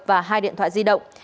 và hai điện thoại di động